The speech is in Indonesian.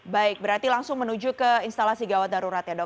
baik berarti langsung menuju ke instalasi gawat darurat ya dok